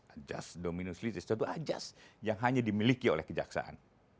ajas dominus litis itu ajas yang hanya dimiliki oleh kejaksaan